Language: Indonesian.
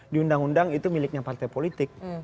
di undang undang itu miliknya partai politik